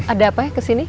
ada apa ya ke sini